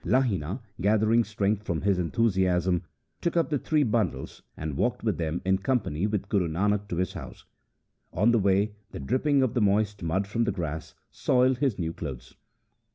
Lahina, gathering strength from his enthusiasm, took up the three bundles, and walked with them in company with Guru Nanak to his house. On the way the dripping of the moist mud from the grass soiled his new clothes.